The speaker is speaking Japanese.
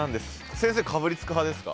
先生かぶりつく派ですか？